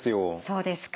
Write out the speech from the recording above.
そうですか。